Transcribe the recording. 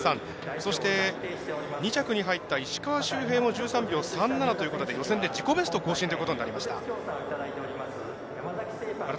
そして、２着に入った石川周平も１３秒３７ということで予選で自己ベスト更新ということになりました。